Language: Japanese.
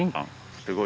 すごい。